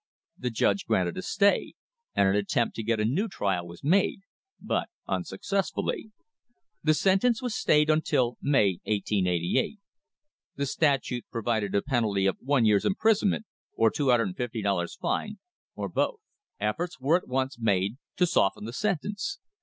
The judge granted a stay, and an attempt to get a new trial was made, but unsuccessfully. The sentence was stayed until May, 1888. The statute provided a penalty of one year's imprisonment or $250 fine, or both. Efforts were at once made to soften the sentence.